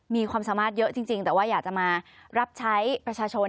มีความสามารถเยอะจริงแต่ว่าอยากจะมารับใช้ประชาชน